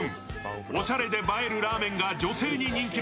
おしゃれで映えるラーメンが女性に人気の